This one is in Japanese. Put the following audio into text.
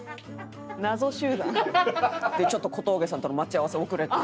ちょっと小峠さんとの待ち合わせ遅れて。